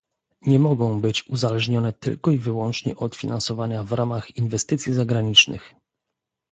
Nie mogą być uzależnione tylko i wyłącznie od finansowania w ramach inwestycji zagranicznych